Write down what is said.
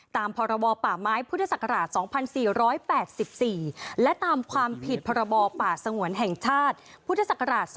ตามปรวป่าไม้พศ๒๔๘๔และตามความผิดปรป่าสงวนแห่งชาติพศ๒๕๐๗